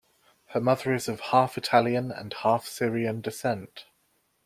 Her mother is of half Italian and half Syrian descent.